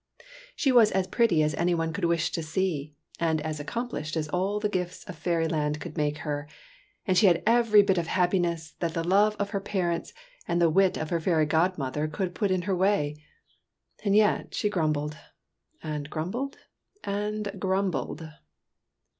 She was as pretty as any one could wish to see, and as accomplished as all the gifts of Fairyland could make her; and she had every bit of happiness that the love of her parents and the wit of her fairy godmother could put in her way. And yet she grumbled and grumbled and grumbled